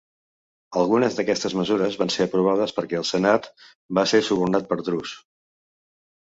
Algunes d'aquestes mesures van ser aprovades perquè el senat va ser subornat per Drus.